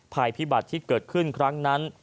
ภัยพิบัติที่เกิดขึ้นครั้งนั้น